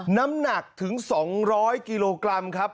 น้ำหนักถึง๒๐๐กิโลกรัมครับ